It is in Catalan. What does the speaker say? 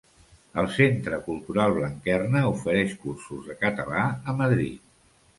El Centre Cultural Blanquerna ofereix cursos de català a Madrid.